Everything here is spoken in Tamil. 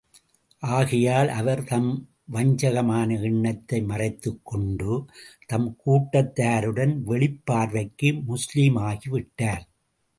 ஆகையால், அவர் தம் வஞ்சகமான எண்ணத்தை மறைத்துக் கொண்டு, தம் கூட்டத்தாருடன் வெளிப் பார்வைக்கு முஸ்லிம் ஆகி விட்டார்.